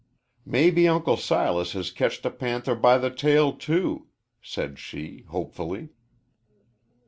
"Maybe Uncle Silas has ketched a panther by the tail, too," said she, hopefully.